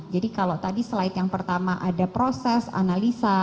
jadi kalau tadi slide yang pertama ada proses analisa